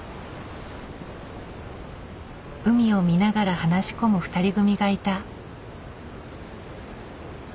海を見ながら話し込む２人組がいた。